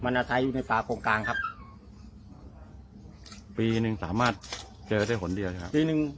มันอาศัยอยู่ในปลาโคงกลางครับปีหนึ่งสามารถเจอได้หนึ่งหนึ่ง